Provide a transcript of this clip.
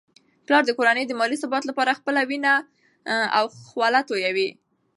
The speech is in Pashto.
پلار د کورنی د مالي ثبات لپاره خپله وینه او خوله تویوي.